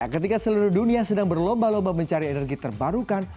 ketika seluruh dunia sedang berlomba lomba mencari energi terbarukan